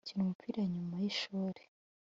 bakina umupira nyuma yishuri